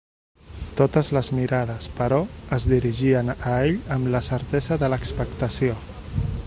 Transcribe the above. Totes les mirades, però, es dirigien a ell amb la certesa de l'expectació.